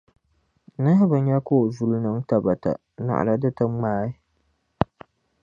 Nahu bi nya ka o zuli niŋ tabata naɣila di ti ŋmaai.